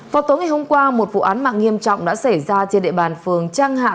vào tối ngày hôm qua một vụ án mạng nghiêm trọng đã xảy ra trên địa bàn phường trang hạ